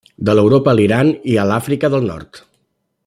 De l'Europa a l'Iran i a l'Àfrica del Nord.